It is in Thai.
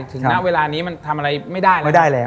ณเวลานี้มันทำอะไรไม่ได้แล้ว